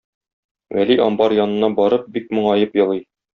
Вәли амбар янына барып бик моңаеп елый.